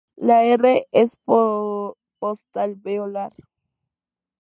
La "r" es postalveolar.